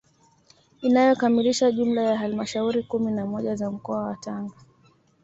Inayokamilisha jumla ya halmashauri kumi na moja za mkoa wa Tanga